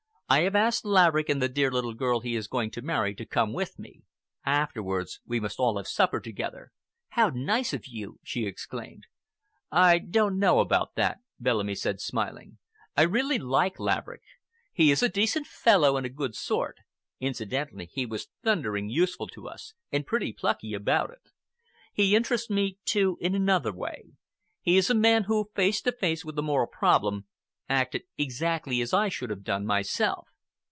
"I have asked Laverick and the dear little girl he is going to marry to come with me. Afterwards we must all have supper together." "How nice of you!" she exclaimed. "I don't know about that," Bellamy said, smiling. "I really like Laverick. He is a decent fellow and a good sort. Incidentally, he was thundering useful to us, and pretty plucky about it. He interests me, too, in another way. He is a man who, face to face with a moral problem, acted exactly as I should have done myself!"